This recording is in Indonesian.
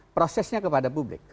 prosesnya kepada publik